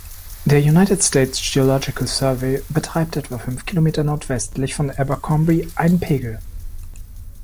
Der United States Geological Survey betreibt etwa fünf Kilometer nordwestlich von Abercrombie einen Pegel.